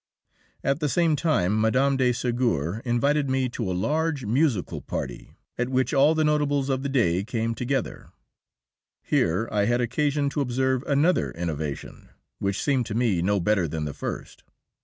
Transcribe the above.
At the same time Mme. de Ségur invited me to a large musical party at which all the notables of the day came together. Here I had occasion to observe another innovation, which seemed to me no better than the first.